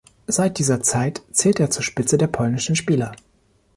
Seit dieser Zeit zählt er zur Spitze der polnischen Spieler.